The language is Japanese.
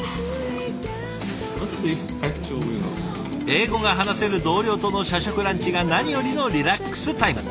英語が話せる同僚との社食ランチが何よりのリラックスタイム。